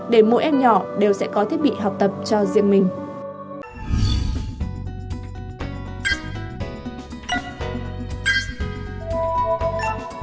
để mỗi em nhỏ đều sẽ có thiết bị học tập cho riêng mình